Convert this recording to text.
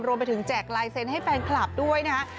รวมไปถึงแจกลายเซ็นต์ให้แฟนคลับด้วยนะครับ